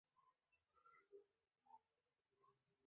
The city is situated on the north bank of the Des Moines River.